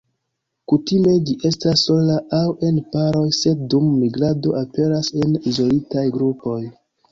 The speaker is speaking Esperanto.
Kutime ĝi estas sola aŭ en paroj, sed dum migrado aperas en izolitaj grupoj.